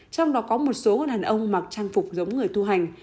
trong đó có một số người đàn ông mặc trang phục giống người thu hành